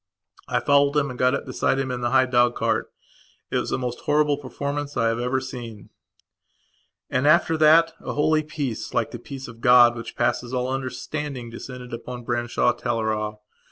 I followed him and got up beside him in the high dog cart. It was the most horrible performance I have ever seen. And, after that, a holy peace, like the peace of God which passes all understanding, descended upon Branshaw Teleragh.